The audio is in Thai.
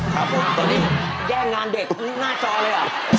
ครับผมตอนนี้แย่งงานเด็กหน้าจอเลยอ่ะ